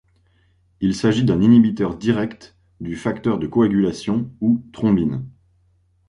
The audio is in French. Il s'agit d'un inhibiteur direct du facteur de coagulation ou thrombine.